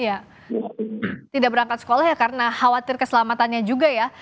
ya tidak berangkat sekolah ya karena khawatir keselamatannya juga ya